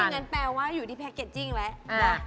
อ่าเพราะงั้นแปลว่าอยู่ที่แพ็กเกจจิ้งแหละ